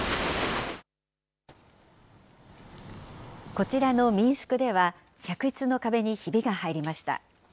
こちらの民宿では、客室の壁にひびが入りました。